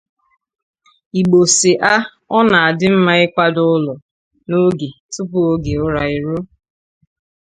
Igbo sị a ọ na-adị mma ịkwado ụlọ n'oge tupuu oge ụra eruo